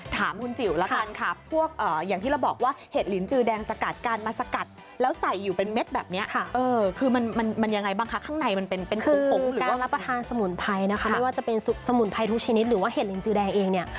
สวยเหมือนเดิมเลย